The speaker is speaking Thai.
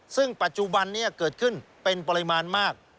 ซึ่งปัจจุบันนี้เกิดขึ้นเป็นปริมาณมาก